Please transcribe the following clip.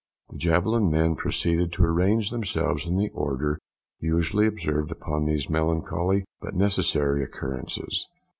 The javelin men proceeded to arrange themselves in the order usually observed upon these melancholy but necessary occurrences.